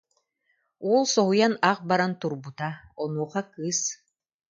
Уол соһуйан ах баран турбута, онуоха кыыс: